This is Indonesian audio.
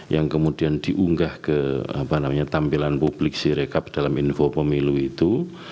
yang kemudian diunggah ke tampilan publik sirekap dalam info pemilu itu